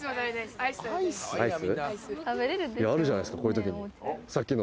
アイス？